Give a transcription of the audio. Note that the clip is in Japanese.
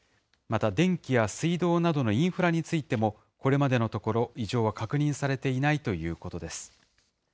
また、電気や水道などのインフラについても、これまでのところ、異常は確認されていないということです。